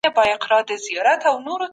که د رڼا بدلون وي نو پټ توري معلومیږي.